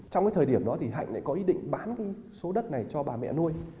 trong cái thời điểm đó thì hạnh lại có ý định bán cái số đất này cho bà mẹ nuôi